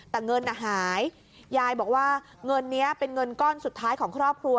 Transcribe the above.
แต่เงินหายยายบอกว่าเงินนี้เป็นเงินก้อนสุดท้ายของครอบครัว